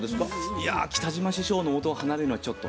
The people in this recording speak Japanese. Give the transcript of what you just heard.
いや北島師匠のもとを離れるのはちょっと。